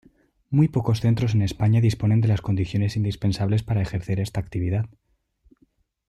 Muy pocos centros en España disponen de las condiciones indispensables para ejercer esta actividad.